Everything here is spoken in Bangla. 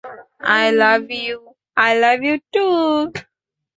I love you, - I love you too you.